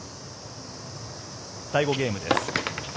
第５ゲームです。